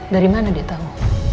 dari mana dia tahu